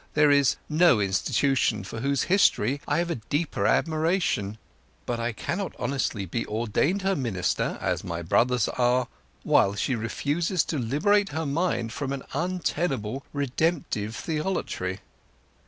There is no institution for whose history I have a deeper admiration; but I cannot honestly be ordained her minister, as my brothers are, while she refuses to liberate her mind from an untenable redemptive theolatry."